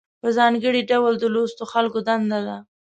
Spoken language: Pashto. په ځانګړي ډول د لوستو خلکو دنده ده.